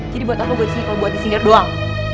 jadi buat apa gue disini kalo buat nyindir doang